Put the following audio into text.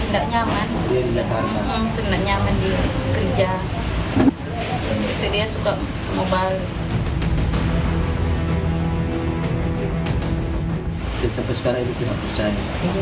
dia butuh tidak nyaman di kerja jadi dia suka mau balik